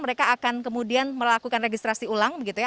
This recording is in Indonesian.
mereka akan kemudian melakukan registrasi ulang begitu ya